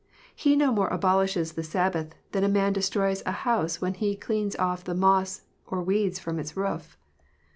* He no more abolishes the Sabbath, than a man destroys a house when he cleans off the moss or weeds from its roof.